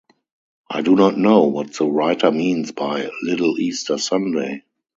"I do not know what the writer means by "little Easter Sunday"."